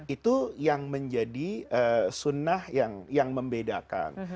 itu yang menjadi sunnah yang membedakan